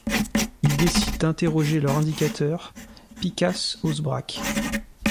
Ils décident d’interroger leur indicateur, Picas Osebracs.